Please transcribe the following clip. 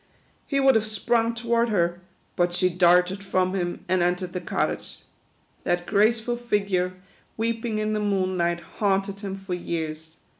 He would have sprung toward her, but she darted from him, and entered the cottage. That graceful figure, weeping in the moonlight, haunted him for years.